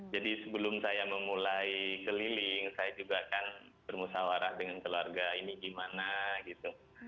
jadi sebelum saya memulai keliling saya juga kan bermusawarah dengan keluarga ini gimana gitu